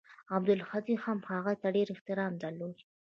عبدالهادي هم هغه ته ډېر احترام درلود.